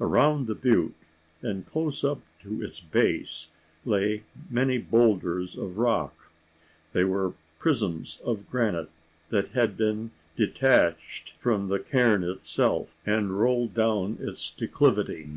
Around the butte, and close up to its base, lay many boulders of rock. They were prisms of granite, that had become detached from the cairn itself, and rolled down its declivity.